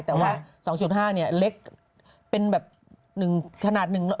แต่ว่า๒๕นี่เล็กเป็นแบบหนึ่งขนาดหนึ่ง